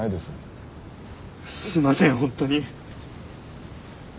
すいません本当に。